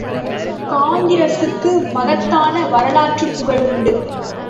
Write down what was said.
காங்கிரசுக்கு மகத்தான வரலாற்றுப் புகழ் உண்டு!